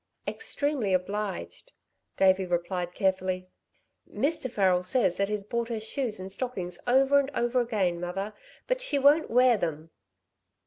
"Extremely obliged," Davey replied carefully. "Mr. Farrel says that he's bought her shoes and stockings over and over again, mother, but she won't wear them."